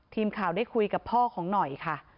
ทีมข่าวได้คุยกับพ่อของหน่อยค่ะ